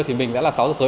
thì mình đã là sáu giờ tối